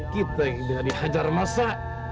kita udah dihajar masa